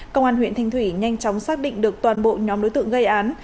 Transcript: công an huyện thanh thủy nhanh chóng xác định được toàn bộ nhóm đối tượng gây án